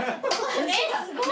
えっすごい！